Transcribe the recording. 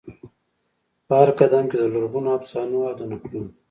په هرقدم کې د لرغونو افسانو او د نکلونو،